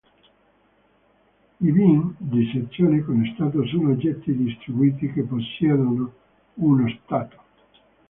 I "bean" di sessione con stato sono oggetti distribuiti che possiedono uno stato.